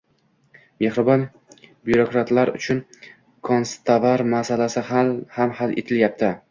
Mehribon byurokratlar uchun “kanstovar” masalasi ham hal etilyapti.